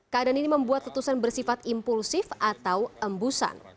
keadaan ini membuat letusan bersifat impulsif atau embusan